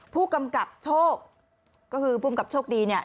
ผู้กำกับโชคก็คือภูมิกับโชคดีเนี่ย